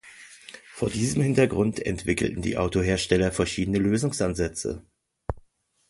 Vor diesem Hintergrund entwickelten die Autohersteller verschiedene Lösungsansätze.